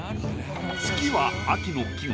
「月」は秋の季語。